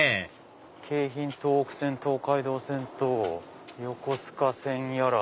京浜東北線東海道線と横須賀線やら。